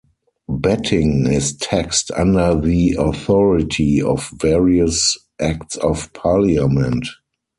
Betting is taxed under the authority of various acts of Parliament.